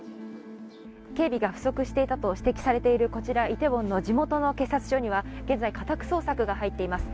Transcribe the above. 警備が不足していたと指摘されているこちら、イテウォンの地元の警察署には現在、家宅捜索が入っています。